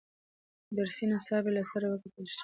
درسي نصاب یې له سره وکتل شي.